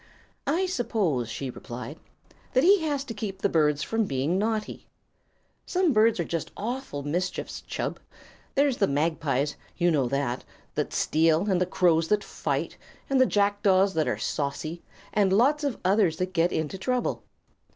"I suppose," she replied, "that he has to keep the birds from being naughty. Some birds are just awful mischiefs, Chub. There's the magpies, you know, that steal; and the crows that fight; and the jackdaws that are saucy, and lots of others that get into trouble.